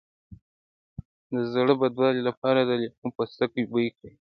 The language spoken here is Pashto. د زړه بدوالي لپاره د لیمو پوستکی بوی کړئ